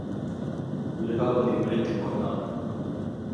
மிருகாபதி விழித்துக் கொண்டாள்.